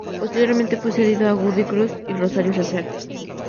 Posteriormente fue cedido a Godoy Cruz y Rosario Central.